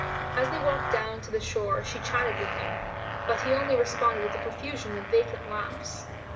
As they walked down to the shore she chatted with him, but he only responded with a profusion of vacant laughs.